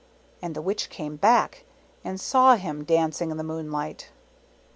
And the Witch came back, and saw him dancing in the moonlight.